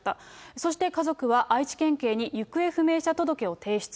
そして家族は、愛知県警に行方不明者届を提出。